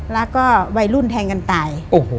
แล้วก็วัยรุ่นแทงกันตาย